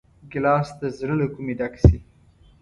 ګیلاس د زړه له کومي ډک شي.